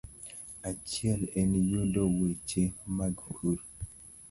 Achiel en yudo weche mag pur.